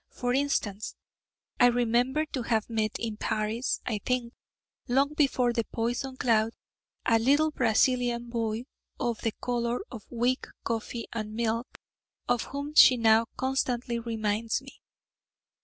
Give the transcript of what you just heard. For instance, I remember to have met in Paris (I think), long before the poison cloud, a little Brazilian boy of the colour of weak coffee and milk, of whom she now constantly reminds me.